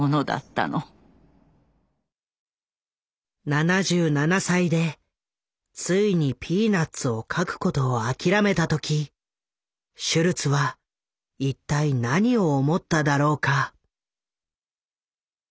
７７歳でついに「ピーナッツ」を描くことを諦めた時シュルツは一体何を思っただろうか？